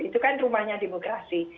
itu kan rumahnya demokrasi